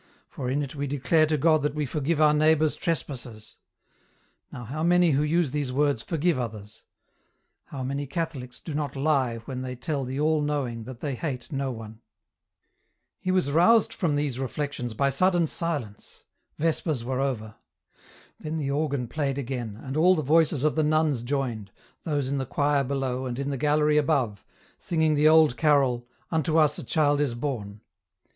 For in it we declare to God that we forgive our neighbours' trespasses. Now how many who use these words forgive others ? How many Catholics do not lie when they tell the All knowing that they hate no one ? He was roused from these reflections by sudden silence; vespers were over. Then the organ played again, and all the voices of the nuns joined, those in the choir below and in the gallery above, singing the old carol " Unto us a child is born." EN ROUTE.